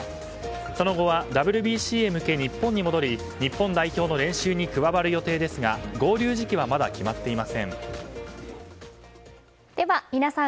その後は、ＷＢＣへ向け日本に戻り日本代表の練習に加わる予定ですが合流時期はまだ決まっていません。